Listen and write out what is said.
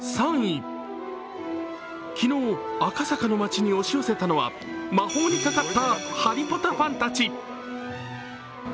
昨日、赤坂の街に押し寄せたのは魔法にかかったハリポタファンたち。